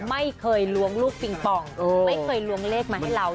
ไม่เคยล้วงลูกปิงปองไม่เคยล้วงเลขมาให้เรา